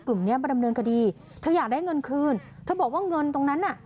กลุ่มเนี้ยมาดำเนินคดีเธออยากได้เงินคืนเธอบอกว่าเงินตรงนั้นน่ะ